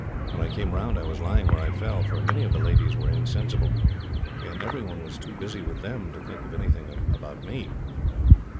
When I came round, I was lying where I fell, for many of the ladies were insensible, and everyone was too busy with them to think anything of me.